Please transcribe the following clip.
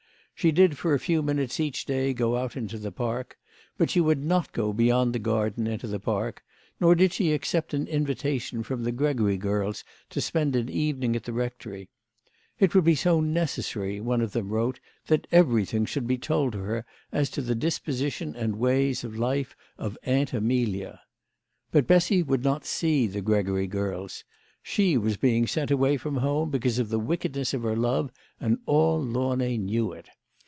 She did for a few minutes each day go out into the garden, but she would not go beyond the garden into the park, nor did she accept an invitation from the Gregory girls to spend an evening at the rectory. It would be so necessary, one of them wrote, that everything should be told to her as to the disposition and ways of life of Aunt Amelia ! But Bessy would not see the Gregory girls. She was being sent away from home because of the wickedness of her love, and all Launay knew it.